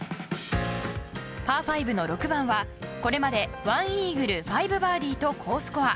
パー５の６番はこれまで１イーグル５バーディーと好スコア。